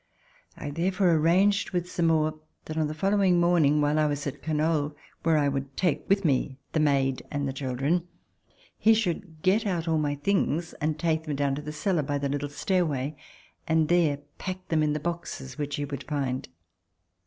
I therefore arranged with Zamore that on the following morning, while I was at Canoles, where I would take with me the maid and the children, he should get out all my things and take them down to the cellar by the little stairway, and there pack them in the boxes which he would find.